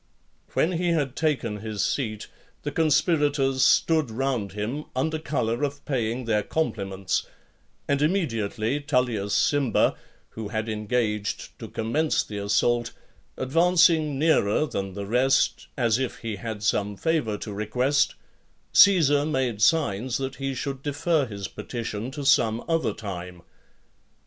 LXXXII. When he had taken his seat, the conspirators stood round him, under colour of paying their compliments; and immediately Tullius Cimber, who had engaged to commence the assault, advancing nearer than the rest, as if he had some favour to request, Caesar made signs that he should defer his petition to some other time.